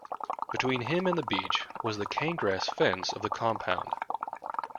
Between him and the beach was the cane-grass fence of the compound.